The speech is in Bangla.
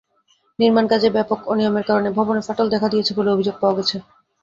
নির্মাণকাজে ব্যাপক অনিয়মের কারণে ভবনে ফাটল দেখা দিয়েছে বলে অভিযোগ পাওয়া গেছে।